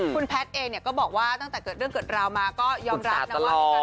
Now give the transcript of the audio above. คุณแพทย์เองเนี่ยก็บอกว่าตั้งแต่เกิดเรื่องเกิดราวมาก็ยอมรับนะว่า